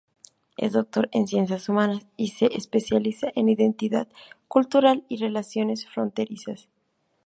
Es Doctor en Ciencias Humanas y se especializa en identidad cultural y relaciones fronterizas.